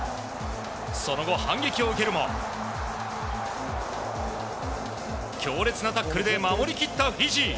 その後、反撃を受けるも強烈なタックルで守り切ったフィジー。